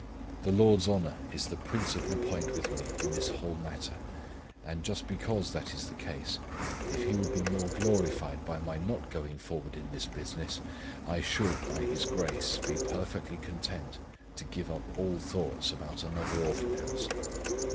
The Lord's honour is the principal point with me in this whole matter; and just because that is the case, if He would be more glorified by my not going forward in this business, I should, by His grace, be perfectly content to give up all thoughts about another Orphan House.